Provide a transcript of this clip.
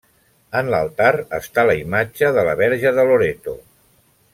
En l'altar està la imatge de la Verge de Loreto.